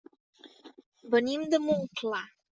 Venim de Montclar.